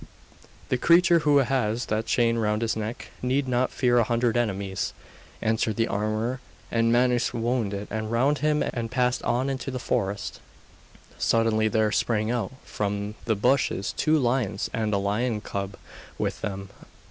'The creature who has that chain round his neck, need not fear a hundred enemies,' answered the armourer. And Manus wound it round him and passed on into the forest. Suddenly there sprang out from the bushes two lions, and a lion cub with them.